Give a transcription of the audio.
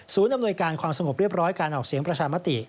อำนวยการความสงบเรียบร้อยการออกเสียงประชามติ